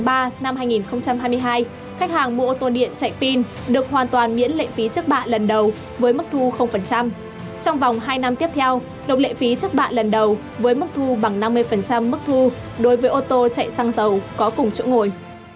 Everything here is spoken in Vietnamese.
vào tháng ba năm hai nghìn hai mươi hai khách hàng mua ô tô điện chạy pin được hoàn toàn miễn lệ phí trước bạ lần đầu với mức thu trong vòng hai năm tiếp theo đồng lệ phí trước bạ lần đầu với mức thu bằng năm mươi mức thu đối với ô tô chạy xăng dầu có cùng chỗ ngồi